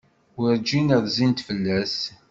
Werǧin rzint fell-as.